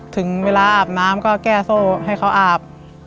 ถึงเวลาอาบน้ำก็แก้โซ่ให้เขาอาบ